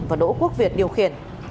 và đỗ quốc việt điều khiển